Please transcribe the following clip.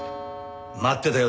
待ってたよ